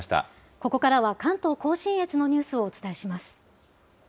ここからは、関東甲信越のニュースをお伝えします。